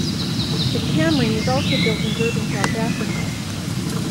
The Camry was also built in Durban, South Africa.